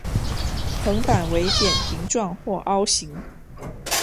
横板为扁平状或凹形。